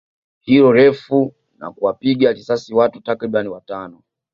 hilo refu na kuwapiga risasi watu takribani watano